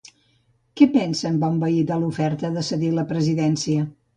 Què pensa en Bonvehí de l'oferta de cedir la presidència?